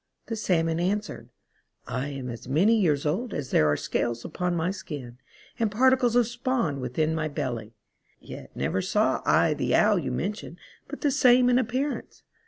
The Salmon answered, " I am as many 48 The Long lived Ancestors. years old as there are scales upon my skin, and particles of spawn within my belly ; yet never saw I the Owl you mention but the same in appearance.